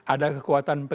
ada kekuatan pengguna